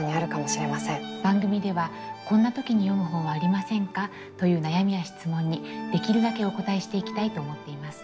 番組では「こんな時に読む本はありませんか？」という悩みや質問にできるだけお応えしていきたいと思っています。